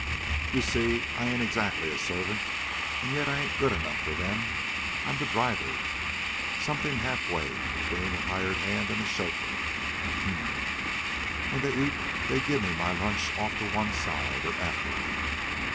You see, I ain't exactly a servant, an' yet I ain't good enough for them. I'm the driver something half way between a hired man and a chauffeur. Huh! When they eat they give me my lunch off to one side, or afterward.